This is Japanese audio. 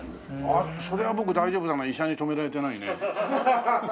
あっそれは僕大丈夫なの医者に止められてないね？